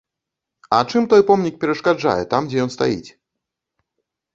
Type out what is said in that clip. А чым той помнік перашкаджае там, дзе ён стаіць?